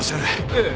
ええ。